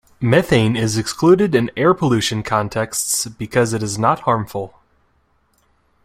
Methane is excluded in air-pollution contexts because it is not harmful.